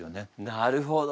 なるほど。